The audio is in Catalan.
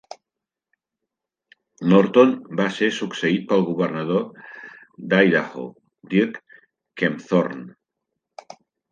Norton va ser succeït pel governador d'Idaho, Dirk Kempthorne.